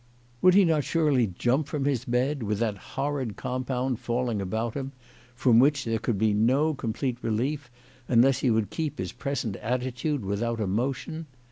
Would he not surely jump from his bed, with that horrid com pound falling about him, from which there could be no complete relief unless he would keep his present attitude without a motion